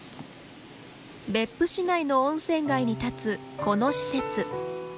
別府市内の温泉街に建つこの施設。